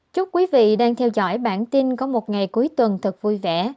chúc quý vị đang theo dõi bản tin có một ngày cuối tuần thật vui vẻ